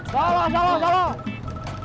salah salah salah